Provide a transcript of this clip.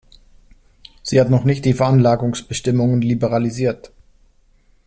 Sie hat noch nicht die Veranlagungsbestimmungen liberalisiert.